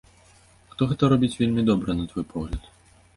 Хто гэта робіць вельмі добра, на твой погляд?